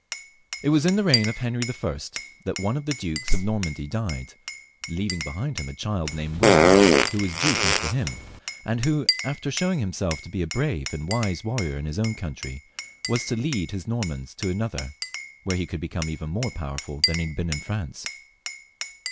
It was in the reign of Henry L that one of the dukes of Normandy died, leaving behind him a child named William, who was duke after him, and who, after showing himself to be a brave and wise warrior in his own country, was to lead his Normans to another, where he would be come evien more powerful than he had been in France.